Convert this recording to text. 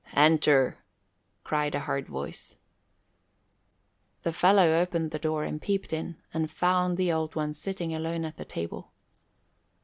"Enter," cried a hard voice. The fellow opened the door and peeped in and found the Old One sitting alone at the table.